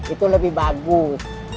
itu lebih bagus